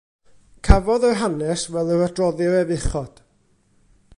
Cafodd yr hanes fel yr adroddir ef uchod.